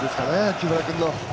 木村君の。